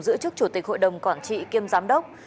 giữ chức chủ tịch hội đồng quản trị kiêm giám đốc